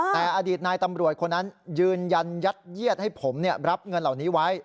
แต่อดีตนายตำรวจคนนั้นยืนยันยัดเยียดให้ผมรับเงินเหล่านี้ไว้